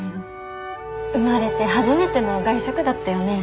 生まれて初めての外食だったよね。